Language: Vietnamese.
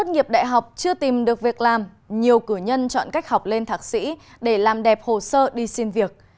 trường đại học chưa tìm được việc làm nhiều cử nhân chọn cách học lên thạc sĩ để làm đẹp hồ sơ đi xin việc